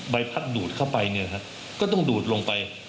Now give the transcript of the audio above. ใบพัดดูดเข้าไปเนี่ยฮะก็ต้องดูดลงไป